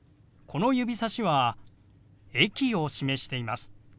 この指さしは駅を示しています。